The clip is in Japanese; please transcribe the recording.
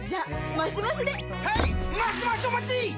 マシマシお待ちっ！！